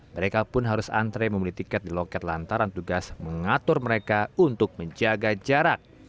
mereka pun harus antre membeli tiket di loket lantaran tugas mengatur mereka untuk menjaga jarak